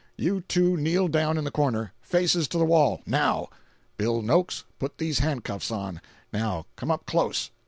You two kneel down in the corner; faces to the wall—now. Bill Noakes, put these handcuffs on; now come up close.